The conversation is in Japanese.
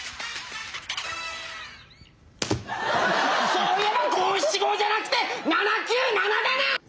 そういえば５７５じゃなくて７９７だな！